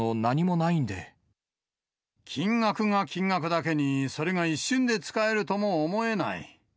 金額が金額だけに、それが一瞬で使えるとも思えない。